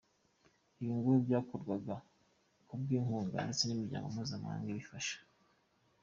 Ibi ngo byakorwaga ku bw’inkunga ndetse n’imiryango mpuzamahanga ibifasha.